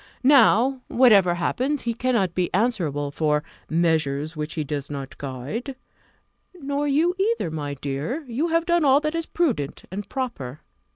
Now, whatever happens, he cannot be answerable for 'measures which he does not guide:' nor you either, my dear; you have done all that is prudent and proper.